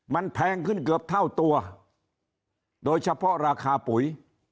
มันแพงขึ้นเกือบเท่าตัวโดยเฉพาะราคาปุ๋ย